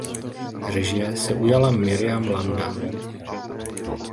Režie se ujala Mirjam Landa.